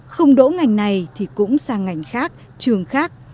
không đỗ ngành này thì cũng sang ngành khác trường khác